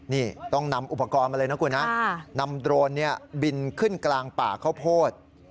นี่ต้องนำอุปกรณ์มาเลยนะคุณนะนำโดรนบินขึ้นกลางป่าข้าวโพด